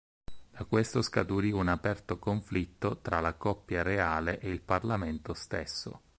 Da questo scaturì un aperto conflitto tra la coppia reale e il Parlamento stesso.